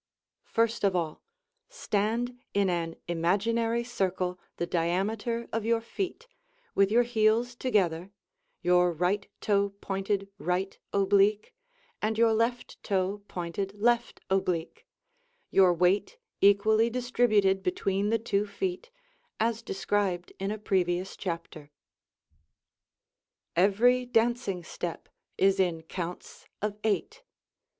First of all, stand in an imaginary circle the diameter of your feet, with your heels together, your right toe pointed right oblique and your left toe pointed left oblique, your weight equally distributed between the two feet, as described in a previous chapter. Every dancing step is in counts of eight.